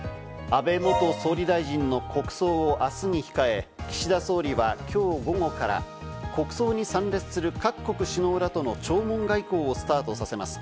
安倍元総理大臣の国葬を明日に控え、岸田総理は今日午後から国葬に参列する各国首脳らとの弔問外交をスタートさせます。